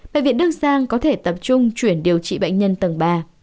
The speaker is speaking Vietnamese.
bệnh viện đức giang có thể tập trung chuyển điều trị bệnh nhân tầng ba